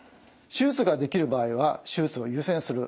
手術ができる場合は手術を優先する。